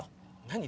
何？